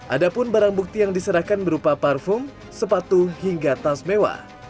ada pun barang bukti yang diserahkan berupa parfum sepatu hingga tas mewah